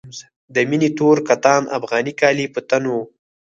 د مينې تور کتان افغاني کالي په تن وو.